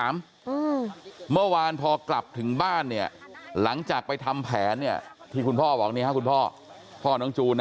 เมื่อวานพอกลับถึงบ้านเนี่ยหลังจากไปทำแผนเนี่ยที่คุณพ่อบอกนี่ฮะคุณพ่อพ่อน้องจูนนะ